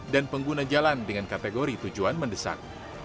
dan pengguna jalan dengan kategori tujuan mendesak